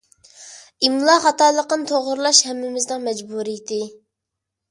ئىملا خاتالىقىنى توغرىلاش ھەممىمىزنىڭ مەجبۇرىيىتى.